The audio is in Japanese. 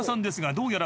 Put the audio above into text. ［どうやら］